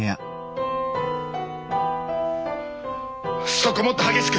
そこもっと激しく。